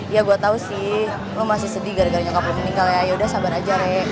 ya gue tau sih lo masih sedih gara gara nyokap belum meninggal ya yaudah sabar aja deh